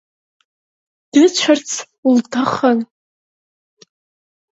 Дыцәарц лҭахын.